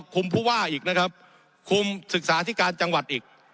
ผู้ว่าอีกนะครับคุมศึกษาที่การจังหวัดอีก